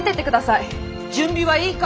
準備はいいか？